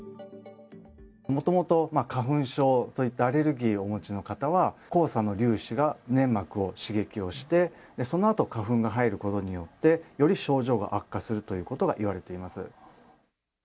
もともと花粉症といったアレルギーをお持ちの方は、黄砂の粒子が粘膜を刺激をして、そのあと花粉が入ることによって、より症状が悪化するということが言われています。